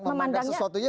memandang sesuatu berbeda